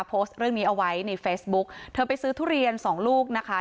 โพสต์เรื่องนี้เอาไว้ในเฟซบุ๊กเธอไปซื้อทุเรียนสองลูกนะคะ